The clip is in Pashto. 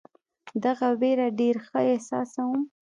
دغه وېره ډېر ښه احساسوم.